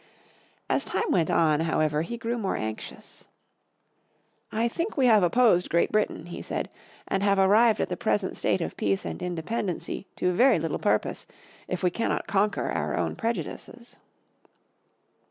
As time went on, however, he grew more anxious. "I think we have opposed Great Britain," he said, "and have arrived at the present state of peace and independency, to very little purpose, if we cannot conquer our own prejudices."